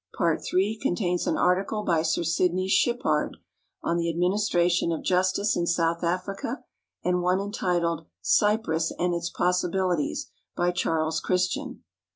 Part III contains an article by Sir Sidney Shippard on the Administration of Justice in South Africa, and one entitled " Cyprus and Its Possibilities," by Charles Christian.